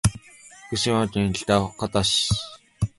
福島県喜多方市